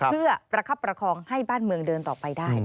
เพื่อประคับประคองให้บ้านเมืองเดินต่อไปได้